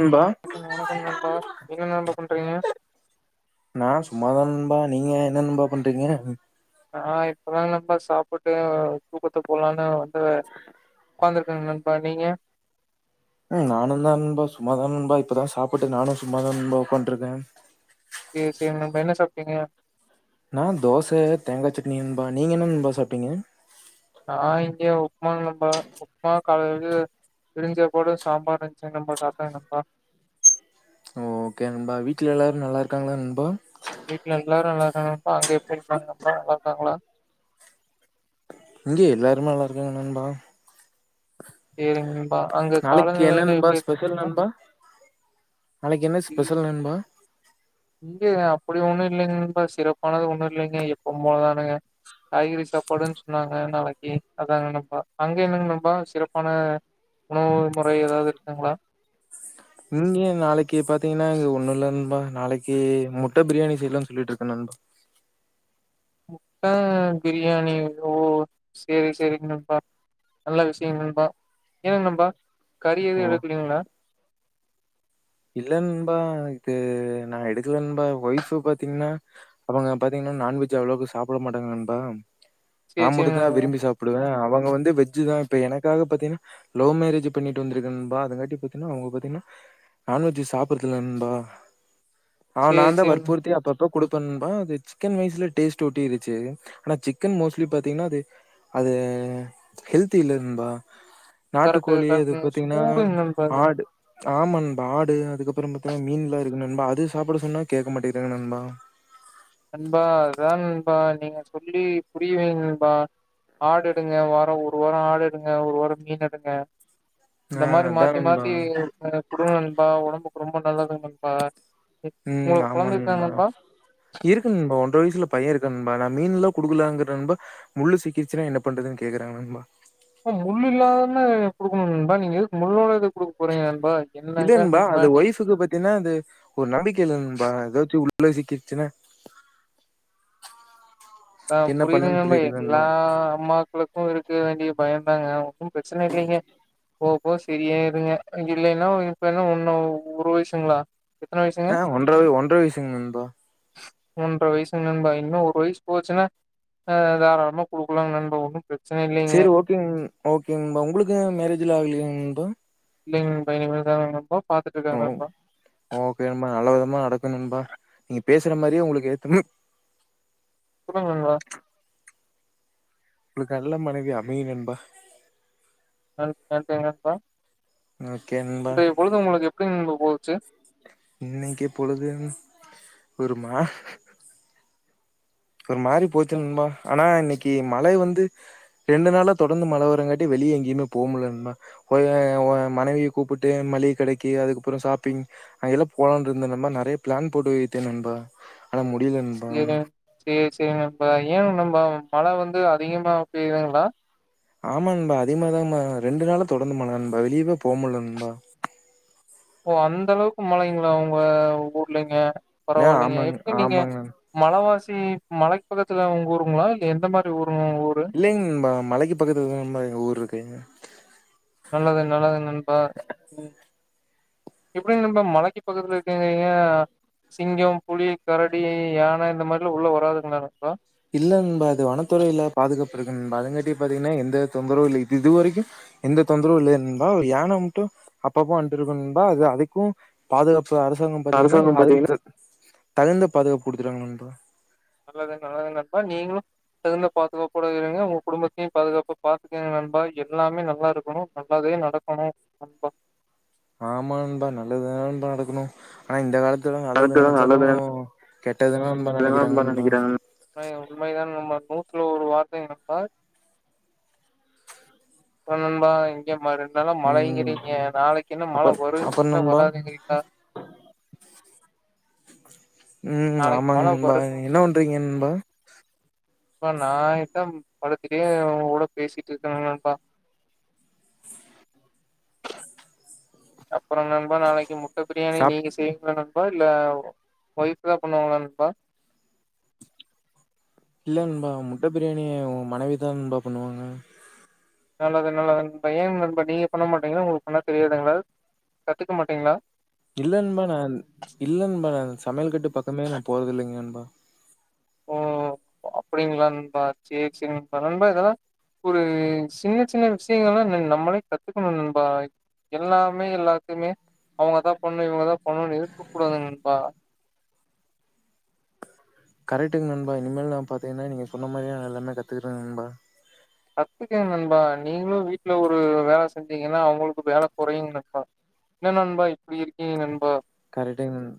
நண்பா வணக்க வணக்கம் நண்பா என்ன நண்பா பண்றீங்க நா சும்மாதா நண்பா நீங்க என்ன நண்பா பண்றீங்க ஆ இப்பதா நண்பா சாப்பிட்டு தூக்கத்துக்கு போலானு வந்து உக்காந்துருக்க நண்பா நீங்க ம் நானுந்தா நண்பா சும்மாதா நணபா இப்பதா சாப்பிட்டு நானு சும்மாதா நண்பா உக்கான்ட்ருக்கே சேரி சேரி நண்பா என்ன சாப்ட்டிங்க நா தோச தேங்கா சட்னி நண்பா நீங்க என்ன நண்பா சாப்ட்டிங்க ங்க உப்மா நண்பா உப்மா காலலது வெறுஞ்சாப்பாடு சாம்பார் இருந்ச்சு நண்பா சாப்ட்டே நண்பா ஓகே நண்பா வீட்ல எல்லாரு நல்லாருக்காங்ளா நண்பா வீட்ல எல்லாரு நல்லாருக்காங்க நண்பா அங்க எப்டி இருக்காங்க நண்பா நல்லாருக்காங்ளா இங்க எல்லாருமே நல்லாருக்காங்க நண்பா சேரிங்க நண்பா. அங்க நாளைக்கு என்ன காலநிலையெல்லாம் நண்பா எப்டி இருக்குங்க ஸ்பெஷல் நண்பா நாளைக்கு என்ன இ- ஸ்பெஷல் நண்பா இங்க அப்படி ஒண்ணு இல்லைங் நண்பா சிறப்பானது ஒண்ணு இல்லைங்க எப்பவும் போலதானுங்க காய்கறி சாப்பாடுன் சொன்னாங்க நாளைக்கு அதாங்க நண்பா அங்க என்னங் நண்பா சிறப்பான உணவு முறை எதாவுது இருக்குங்ளா இங்க நாளைக்கு பாத்திங்னா இங்க ஒண்ணு இல்ல நண்பா நாளைக்கு முட்ட பிரியாணி செய்யலான் சொல்லிட்ருக்க நண்பா முட்ட பிரியாணி ஓ செரி செரிங் நண்பா நல்ல விஷயங் நண்பா என்ன நண்பா கறி எது ஓ எடுக்குலிங்ளா இல்ல நண்பா இது நா எடுக்கல நண்பா ஒய்ஃப் பாத்திங்னா அவங்க பாத்திங் நான்வெஜ் அவ்ளக்க சாப்ட மாட்டாங்க நண்பா நா சரி, சரி மட்டுந்தா நண்பா. விரும்பி சாப்டுவே அவங் க வந்து வெஜ் தா இப்ப எனக்காக பாத்திங்னா லவ் மேரேஜ் பண்ணிட்டு வந்திருக்க நண்பா அதுங்காட்டி பாத்திங்னா அவுங்க பாத்திங்னா நான்வெஜ் சாப்பறதில்ல நண்பா அ சரி, நாந்தா சரி நண்பா. வற்புறுத்தி அப்பப்ப குடுப்ப நண்பா அது சிக்கன் ரைஸ்ல டேஸ்ட் ஒட்டிருச்சு ஆனா சிக்கன் மோஸ்ட்லி பாத்திங்னா அது அது ஹெல்த்தி இல்ல நண்பா கரெக்ட், நாட்டுக்கோழி அது கரெக்ட்ங்க. பாத்திங்னா சூடுங்க நண்பா அது. ஆடு ஆமா நண் ஆடு அதுக்கப்புற பாத்தினா மீன்லா இருக்கு நண்பா அது சாப்பட சொன்னா கேக்க மாட்டேங்கிறாங்க நண்பா நண்பா அதுதா நண்பா நீங்க சொல்லி புரியவைங் நண்பா ஆடு எடுங்க வார ஒரு வார ஆடு எடுங்க ஒரு வார மீன் எடுங்க ஆ இந்த மாரி அதான் மாத்தி நண்பா. மாத்தி அ குடு நண்பா ஒடம்புக்கு ரொம்ப நல்லது நண்பா உங்களுக்கு கொழந்தை இருக்காங் நண்பா கு நண்பா ஒன்ற வயசுல பைய இருக்கா நண்பா நா மீன்லா குடுக்லாங்கற நண்பா முள்ளு சிக்கிருச்சுனா என்ன பண்றதுன் கேக்குறாங்க ந ண்பா ப்ப முள் இல்லாம குடுக்கணு நண்பா நீங்க எதுக்கு முள்ளோட எதுக் இல்ல நண்பா அது நீங்க ஒய்ஃபுக்கு பத்தீனா அது ஒரு நம்பிக்கை இல்ல நண்பா ஏதாச்ச உள் ள சிக்கிருச்சுன்ன ஆ புரியுது நண்பா எல்லா அம்மாக்களுக்கும் இருக்க வேண்டிய பயம் அதாங்க ஒன்னும் பிரச்சன இல்லைங்க போவ போவ சரியாருங்க இல்லைன்னா இப்ப னா ஒன்னு ஒரு வயசுங்களா எத்தன வயசுங்க? ஆ ஒன்றவ ஒன்ற வயசுங்க நண்பா ஒன்ற வயசுங்க நண்பா இன்னும் ஒரு வயசு போச்சுன்னா அ தாராளமா ஆ குடுக்கலா நண்பா ஒன்னும் பிரச் செரி ஓகேங் ஓகேங் நண்பா உங்களுக்கு மேரேஜ்ல ஆகலியாங் நண்பா ல்ல இனிமேதா இனிமேல்தா நடக்கு ஓ ஓகே நண்பா நல்ல விதமா நடக்கு நண்பா நீங் பேசுற மாரியே உங்களுக்கு ஏத்தம் இப்பதா நண்பா உங்களுக்கு நல்ல மனைவி அமையு நண்பா நன் நன்றி நண்பா ஓகே நண்பா இன்றைய பொழுது உங்களுக்கு எப்படி உங்களுக்கு போகு ச்சு இன்னைக்கு பொழுது ஒருமா ஒரு மாறி போச்சு நண்பா ஆனா இன்னை க்கு மழை வந்து ரெண்டு நாளா தொடர்ந்து மழை வரங்காட்டி வெளியே எங்கேயுமே போ முடில நண்பா ஒ ஏ அவங்க மனைவியை கூப்பிட்டு மளிகை கடைக்கு அதுக்கப்புறம் ஷாப்பிங் அங்கெல்லாம் போலாம்னிருந்த நெறைய பிளான் போட்டு வைத்தே நண்பா ஆனா முடியல நண்பா சேரி சேரி சேரி நண்பா ஏ நண்பா மழ வந்து அதிகமா பெய்யுதுங்களா ஆமா நண்பா அதேமாரிதா நண்பா ரெண்டு நாள தொடர்ந்து மழ நண்பா வெளியேவ போ முடில நண்பா ஓ அந்தளவுக்கு மழைங்களா உங்க ஊர்லங்க ஆ பரவாயில்லைங்க ஆமாங்க எப்டி நீங்க ஆமாங்க நண்பா. மழவாஸ் சி மலைக்கு பக்கத்துல உங்க ஊருங்களா இல்ல எந்த மாதிரி ஊர் இல்லைங் நண்பா மலைக்கு பக்கத்து ல தா எங்க ஊர் இருக்கு நல்லது நல்லது நண்பா உ எப்டி நண்பா மலைக்கு பக்கத்துல இருக்கிங்க நீங்க சிங்கம் புளி கரடி யானை இந்த மாதிரிலாம் உள்ள வராதுங்களா நண்பா இல்ல நண்பா அது வனத்துறையல பாதுகாப்பு இருக்கு நண்பா அதுங்கட்டி பாத்தீங்கன்னா எந்த தொந்தரவு இல்லை இது இது வரைக்கு எந்த தொந்தரவும் இல்லை நண்பா யான மட்டும் அப்பப்ப வந்துட்டு இருக்கு நண்பா அது அதுக்கும் பாதுகாப் பு அரசாங்கம் பாத்தீங்கன்னா அதுக்கு தகு தகுந்த பதுகாப்பு குடுத்துட்டாங்க நண்பா நல்லது நல்லது நண்பா நீங்களு தகுந்த பாதுகாப்போட இருங்க உங்க குடும்பத்தியு பாதுகாப்பா பாத்துக்ங்க நண்பா எல்லாமே நல்லா இருக்கணு நல்லாது தே நடக்கணும் நண்பா ஆமா நண்பா நல்லதுதாண்ட் நடக்கணு ஆனா இந்த காலத்துல நல்லது நெனச்சாலு [unintelligible] தா நெனைக்குறாங்க நூத்ல ஒரு வார்த்தைங் நண்பா அப்றோ நண்பா இங்கே மரு நல்ல ம். மழைங்கிறீங்க நாளைக்கு என்ன மழ அப்பற் அப்பறம் வருங்கிறீங்ளா நண்பா வராதுங்கிறீங்ளா ம் நாளைக்கு ஆமாங் மழ நண்பா வருங்க நீங்க என்ன பண்றீங்க நண்பா நண்பா நா எத்தம் படுத்துட்டே உங்ககூட பேசிட் இருக்க ந நண்பா அப்புறோ நண்பா நாளைக்கு முட்ட பிரியாணி சாப் நீங்க செய்வீங்ளா நண் பா இல்ல ஒயிஃப் தா பண்ணுவாங்ளா நண்பா இல்ல நண்பா முட்ட பிரியாணி மனைவிதா நண்பா பண்ணுவாங்க நல்லது நல்லது பையன் [unintelligible] நீங்க பண்ண மாட்டீங்குனா உங்ளுக் பண்ண தெரியாதுங்ளா கத்துக்க மாட்டீங்ளா இல்ல நண்பா நான் இல்ல நண்பா நான் சமயல் கட்டு பக்கமே நா போறதில்லைங் நண்பா ஓ அப்டிங்ளா நண்பா சேர் சேர் [unintelligible] இதெல்லா ஒரு சின்ன சின்ன விஷ்யங்கள்ளா இனி நம்மளே கத்துக்கணு நண்பா எல்லாமே எல்லாத்துமே அவுங்கதா பண்ணு இவுங்கதா பண்ணுன்னு இருக்க கூடாதுங் நண்பா கரெக்ட்டுங் நண்பா இனிமேல் நான் பாத்தீங்கன்னா நீங்க சொன்ன மாரியே நா எல்லாமே கத்துக்கற நண்பா கத்துக்கங் நண்பா நீங்ளு வீட்ல ஒரு வேல செஞ்சீங்கன்னா அவுங்களுக்கு வேல கொறையுங் நண்பா என்ன நண்பா இப்டி இருக்கீங்க நண்பா கரக்ட்டுங் நண்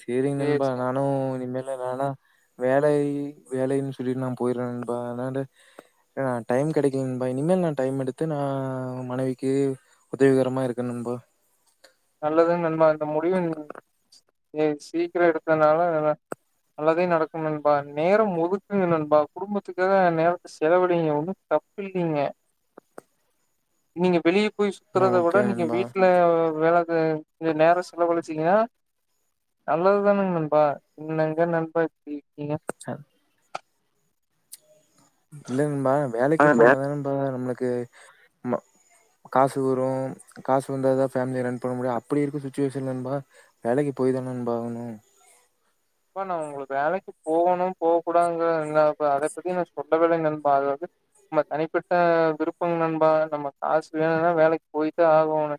சேரிங் சரி, நண்பா சரி. நானு இனிமேல வேல வேலை வேலைன் சொல்லிர் நான் போய்ற நண்பா அன்னான்ட அ டைம் கெடைக்கலிங் நண்பா இனிமேல் நான் டைம் எடுத்து நா மனைவிக்கு உதவிகரமா இருக்கணும் போ நல்லதுங் நண்பா இந்த முடிவு இதே சீக்கிரோ எடுத்தனால நல்லா நல்லதே நடக்கும் நண்பா நேரம் ஒதுக்குங்க நண்பா குடும்பத்துக்காக நேரத்த செலவழிங்க ஒன்னு தப்பில்லீங்க நீங்க வெளிய போய் சுத்தறத விட ஓகே நீங்க நண்பா வீட்ல வேல து கொஞ்சோ நேரோ செலவழிச்சீங்கனா நல்லதுதானுங் நண்பா என்னங்க நண்பர் இப்டி இருக்கீங்க அ, இல்லங் நண்பா வேலைக்கு ஆனா, வே- போனாதான நண்பா நம்ளுக்கு ம காசு வரு காசு வந்தாதா ஃபேம்லிய ரன் பண்ண முடியு அப்படி இருக்க சுச்சுவேஷன் நண்பா வேலைக்கு போய்தா நண்பா ஆகணு இப்ப நா உங்களுக்கு வேலைக்கு போகணு போ கூடாதுங்க எங்ளா இப்ப அத பத்தி நா சொ ல்லவே இல்லங் நண்பா அது வந்து நம்ம தனிப்பட்ட விருப்பங் நண்பா நம்ம காசு வேணுனா வேலைக்கு போய்த்தா ஆகோனு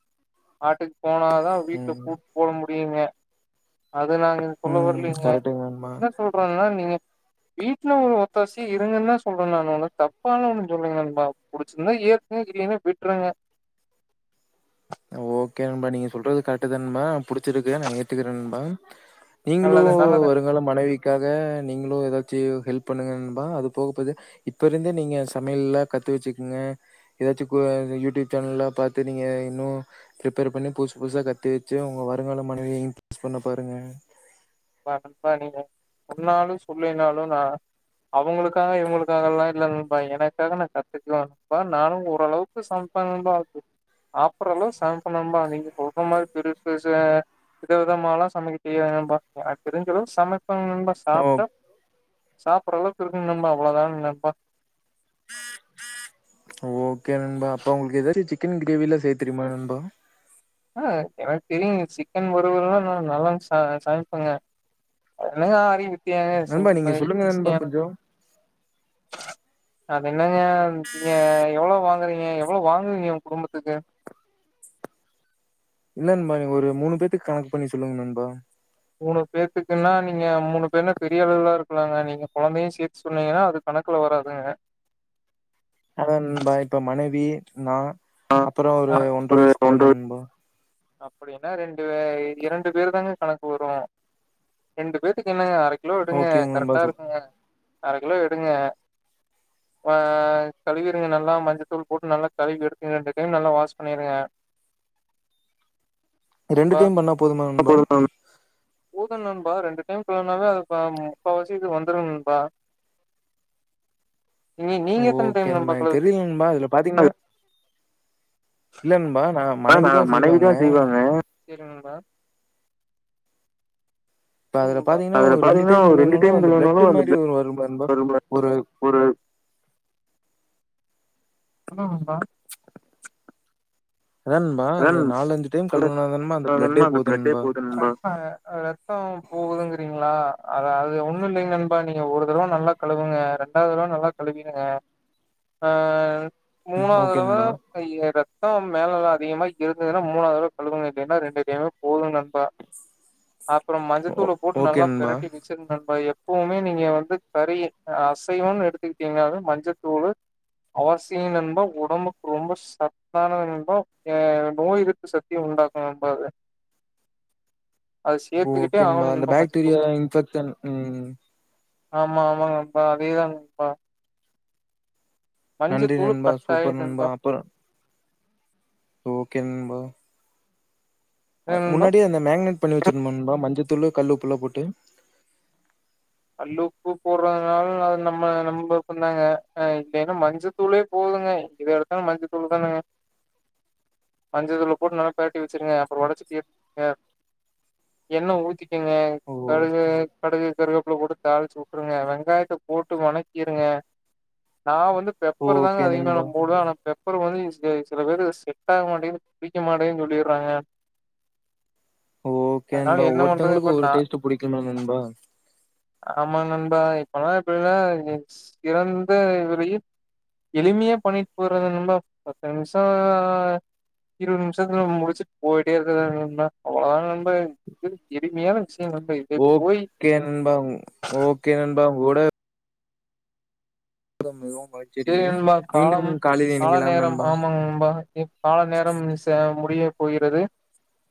ஆட்டுக் போனாதா வீட்ல ம். பூட்டு போட முடியுங்க அது நாங்க சொல்ல வர்லிங் கரெக்டுங் நண்பா இப்ப நீங்க வீட்ல ஒத்தாசிய இருங்கன்தா சொல்ற நானு உங்கள தப்பாள்ளா ஒன்னு சொல்லைங் நண்பா புடுச்சிர்ந்தா ஏத்துங் உங்ளுக் இல்லைனா விட்றுங்க ஓகே நண்பா நீங்க சொல்றது கரெக்ட்டுதா நண்பா புடுச்சிருக்கு நா ஏத்துகிற நண்பா நீங்ளு நல்லது நல்லது வருங்கால மனைவிக்காக நீங்ளு எதாச்சு ஹெல்ப் பண்ணுங்க நண்பா அது போக போது இப்ப இருந்தே நீங்க சமைல்லா கத்து வெச்சுக்குங்க எதாச்சு கு யூ டியூப் சேனலெல்லா பாத்து நீங்க இன்னு பிரிப்பேர் பண்ணி புதுசு புதுசா கத்து வெச்சு உங்க வருங்கால மனைவிய ங்க பூஸ்ட் பண்ண பாருங்க நண்பா நீங்க சொன்னாலு சொல்லைனாலு நா அவுங்களுக்காக இவுங்களுக்காக எல்லா இல்ல நண்பா எனக்காக நா கத்துக்குவே நண்பா நானு ஓரளவுக்கு ச மப்ப நண்பா [unintelligible] சாப்பறளவு சமைப்பே நண்பா நீங்க சொல்ற மாரி பெருசு பெருசா வித விதமால்லா சமைக்க தெரியாது நண்பா அ தெரிஞ்சளவுக்கு சமைப்பங் நண்பா ஓ சாப்ட்டா சாப்பிடற அளவுக்கு இருக்குங் நண்பா அவ்ளவுதானுங் நண்பா ம் [unintelligible] ஓகே நண்பா அப்ப உங்களுக்கு எதாரி சிக்கன் கிரேவி எல்லா செய்ய தெரியுமா நண்பா ஆ எனக்கு தெரியுங்க சிக்கன் வருவல் எல்லா நா நல்லா சம சமைப்பங்க என்னங்க ஆரி நண்பா நீங்க சொல்லுங்க நண்பா கொஞ்சோ அது என்னங்க நீங்க எவ்வளவு வாங்கறீங்க எவ்வளவு வாங்குவீங்க உங்க குடும்பத்துக்கு இல்ல நண்பா எ ஒரு மூணு பேத்துக்கு கணக்கு பண்ணி சொல்லுங்க நண்பா மூணு பேத்துக்குன்னா நீங்க மூணு பேருன பெரிய அளவுலா இருக்கலாங்க நீங்க குழந்தையு சேத்து சொன்னீங்கன்னா அது கணக்குல வராதுங்க அதா நண்பா இப்ப மனைவி நா அப்ரோ ஒரு ஒன்ற வயசு குழந்த நண்பா அப்படின்னா ரெண்டு இரண்டு பேரு தாங்க கணக்கு வரும் ரெண்டு பேத்துக்கு என்னங்க அரை கிலோ எடுங்க ஓகேங்க நண்பா கரெக்டா சொல் இருக்குங்க அர கிலோ எடுங்க ஆ கழுவிருங்க நல்லா மஞ்சதூள் போட்டு நல்லா கழுவி எடுத்து ரெண்டு டைம் நல்லா வாஷ் பண்ணிருங்க ரெண்டு அப்பா டைம் பண்ணா போதுமா நண்பா போதும் போது நண்பா ரெண்டு டைம் கழுவுனாவே பா முக்காவாசி இது வந்துரு நண்பா நீ நீங்க எத்தன ஓகே டைம் நண்பா எனக்கு கழுவுவீங்க தெரியும் நண்பா அதுல பாத்தீங்கன்னா இல்ல நண்பா அ நா செய்வாங்க மனைவிதா செய்வாங்கா இப்ப அதுல பாத்தீங்கன்னா அதுல ஒரு ரெண்டு பாத்தீங்கன்னா டைம் ஒரு ரெண்டு கழுவுனாலு டைம் அந்த பிளட் கழுவினாலும் அந்த மாரி ஒரு வரும் நண்பா வரும்ல ஒரு ஒரு சொல்லுங்க நண்பா அதா நண்பா [inaudible] அந்த நாலஞ்சு டைம் கழுவுனாதானமா அது பிளட்டே என்னமோ அந்த போகுது பிளடே போது நண்பா. போகுதுங்கிறீங்களா அத அது ஒண்ணும் இல்லங் நண்பா நீங்க ஒரு தடவ நல்லா கழுவுங்க ரெண்டாவது தடவ நல்லா கழுவிடுங்க ஆ ம் மூணாவது ஓகே தடவ நண்பா இ ரத்தம் மேலலா அதிகமா இருந்ததுன்னா மூணாவது தடவ கழுவுங்க இல்லனா ரெண்டு டைமே போது நண்பா அப்புறம் ஓ மஞ்சத்தூள போட்டு ஓகே நல்லா நண்பா பெரட்டி வெச்சிருங்க நண்பா புவுமே நீங்க வந்து கறி அசைவன்னு எடுத்துக்கிட்டீங்கன்னாவே மஞ்சத்தூள் அவசியம் நணபா உடம்புக்கு ரொம்ப சத்தானது நண்பா அ நோய் எதிர்ப்பு சக்திய உண்டாக்கும் நண்பா இது ஓகேநண்பா அந்த பேக்டீரியா இன்பெக்ஷன் உம் ஆமா ஆமாங்க நண்பா அதேதாங் நண்பா நன்றி மஞ்சத்தூள் நண்பா சூப்பர் கட்டாயம் நண்பா அப்புற ஓகே நண்பா அ ஏன் நண்பா முன்னாடியே அந்த மேக்னேட் பண்ணி வச்சிடணும் நண்பா மஞ்சத்தூள் கல்லு உப்பெல்லாம் போட்டு ல் உப்பு போடுறதுனாலது நம்ம நம்மப்பந்தாங்க இல்லன்னா மஞ்சத்தூளே போதுங்க இத எடுத்தா மஞ்ச தூள்தாங்க மஞ்சதூள போட்டு நல்லா பெரட்டி வச்சிருங்க அப்ரோ உடச்சு கே என்ன ஊத்திக்கங்க ஓ கடுகு கடகு கருக உள்ள போட்டு தாளிச்சு உட்டுருங்க வெங்காயத போட்டு வணக்கிருங்க நா வந்து பெப்பர் தாங்க ஓகே அதிக ந நண்பா போடுவ ஆன பெப்பர் அப்புறம் வந்து ச சில பேர் செட் ஆக மாட்டேன்னு பிடிக்க மாட்டேன்னு சொல்லிடுறாங்க ஓகே அதனால ண்பா என்ன பண்றது ஒருத்தவங்கக்கு இப்ப ஒரு நா டேஸ்ட்ட் புடிக்குல நண்பா ஆமா நண்பா இப்பல்லாம் எப்படன சிறந்த இவர எளிமைய பண்ணிட்டு போறது நண்பா பத்டிஹெச் நிமிஷோ இருவது நிமிஷத்துல முடிச்சிட்டு போயிட்டே இருக்கால நண்பா அவ்வளவத நண்பா இது எலிமையான விஷயம் வந்து இதே போய் ஓகே நண்பா ஓகே நண்பா ஓட [inaudible] செரி நண்பா காலம் மீண்டும் காலையில் கால இணைக்கலாம் நேரம் நண்பா ஆமாங்க நண்பா கால நேரம் முடிய போகிறது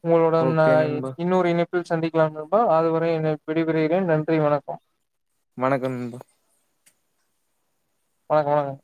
உங்களுடன் ஓகே நண்பா இன்னொரு இனி சந்திக்கலாம் நண்பா அதுவரை இனை விடைபறுகிறேன் நன்றி வணக்கம் வணக்கம் நண்பா வணக்கம் வணக்கம்